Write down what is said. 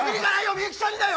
みゆきちゃんにだよ！